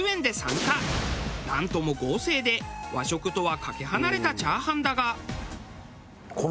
なんとも豪勢で和食とはかけ離れたチャーハンだが。